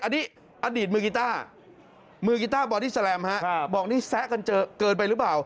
อันนี้อดีตมือกีต้ามือกีต้าบอดี้แลมฮะบอกนี่แซะกันเกินไปหรือเปล่า